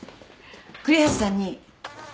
栗橋さんに。